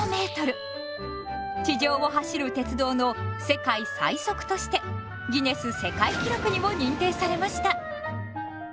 地上を走る鉄道の世界最速としてギネス世界記録にも認定されました。